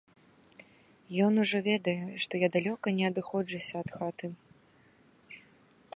Ён ужо ведае, што я далёка не адыходжуся ад хаты.